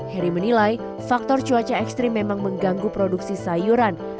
heri menilai faktor cuaca ekstrim memang mengganggu produksi sayuran